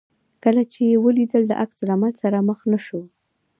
کله چې یې ولیدل چې له عکس العمل سره مخ نه شو.